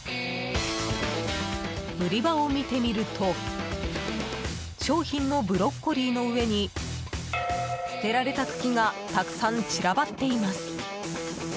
売り場を見てみると商品のブロッコリーの上に捨てられた茎がたくさん散らばっています。